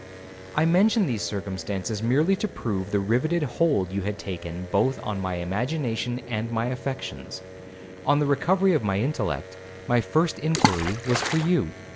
I mention these circumstances, merely to prove the rivetted hold you had taken both on my imagination and my affections. On the recovery of my intellect, my first inquiry was for you.